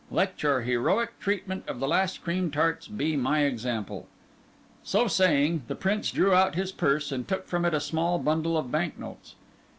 Let your heroic treatment of the last cream tarts be my example." So saying, the Prince drew out his purse and took from it a small bundle of bank notes.